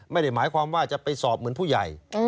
ไม่ได้หมายความว่าจะไปสอบเหมือนผู้ใหญ่